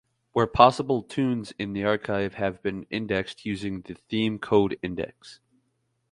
Where possible tunes in the archive have been indexed using the Theme Code Index.